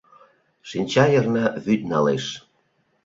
Шинча йырна вӱд налеш.